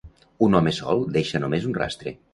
Un home sol deixa només un rastre.